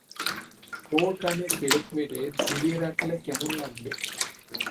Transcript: তোর কানে পেরেক মেরে ঝুলিয়ে রাখলে কেমন লাগবে?